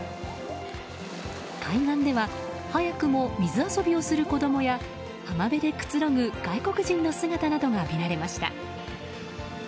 海岸では、早くも水遊びをする子供や浜辺でくつろぐ外国人の姿などが見られました。